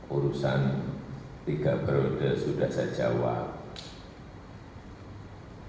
urusan tiga periode sudah saya jawab